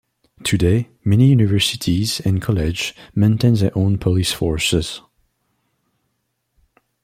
Today, many universities and colleges maintain their own police forces.